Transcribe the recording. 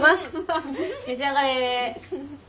召し上がれ。